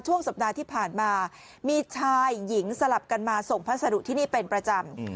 ช่วงสัปดาห์ที่ผ่านมามีชายหญิงสลับกันมาส่งพัสดุที่นี่เป็นประจำ